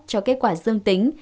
cho kết quả dương tính